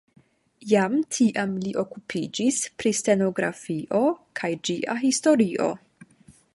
Jam tiam li okupiĝis pri stenografio kaj ĝia historio.